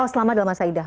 oh selama dalam masa idah